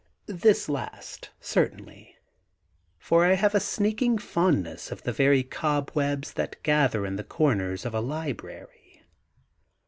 'This last, certainly; for I have a sneaking fond ness for the very cobwebs that gather in the corners of a library.